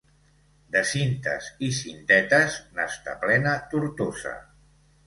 De Cintes i Cintetes n'està plena Tortosa.